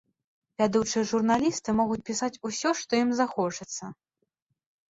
Вядучыя журналісты могуць пісаць усё, што ім захочацца.